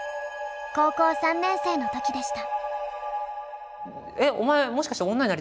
高校３年生の時でした。